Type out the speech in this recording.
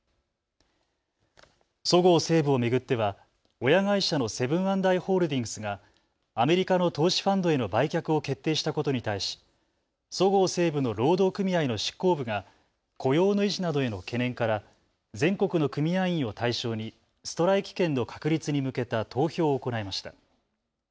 そごう・西武を巡っては親会社のセブン＆アイ・ホールディングスがアメリカの投資ファンドへの売却を決定したことに対しそごう・西武の労働組合の執行部が雇用の維持などへの懸念から全国の組合員を対象にストライキ権の確立に向けた投票を行いました。